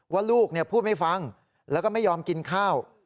ว่าลูกพูดไม่ฟังแล้วก็ไม่ยอมกินข้าว